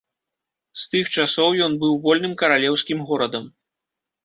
З тых часоў ён быў вольным каралеўскім горадам.